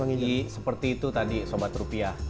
jadi seperti itu tadi sobat rupiah